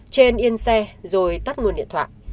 trên yên xe rồi tắt nguồn điện thoại